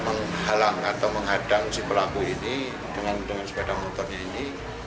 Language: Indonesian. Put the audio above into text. menghalang atau menghadang si pelaku ini dengan sepeda motornya ini